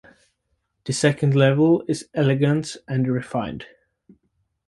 The second level is elegant and refined.